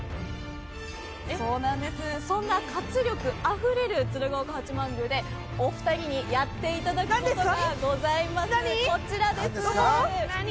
そんな活力はあふれる鶴岡八幡宮でお二人にやっていただきたいことがございます。